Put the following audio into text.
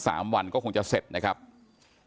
แล้วอันนี้ก็เปิดแล้ว